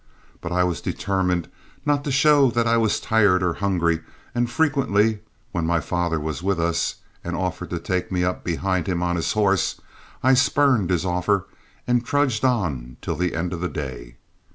But I was determined not to show that I was tired or hungry, and frequently, when my father was with us and offered to take me up behind him on his horse, I spurned his offer and trudged on till the end of the day.